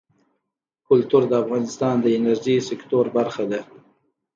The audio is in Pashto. کلتور د افغانستان د انرژۍ سکتور برخه ده.